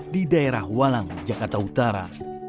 di daerah walang jakarta utara